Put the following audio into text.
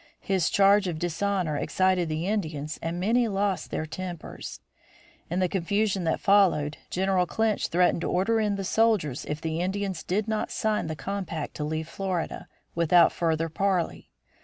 His charge of dishonor excited the Indians and many lost their tempers. In the confusion that followed, General Clinch threatened to order in the soldiers if the Indians did not sign the compact to leave Florida, without further parley.